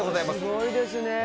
すごいですねえ。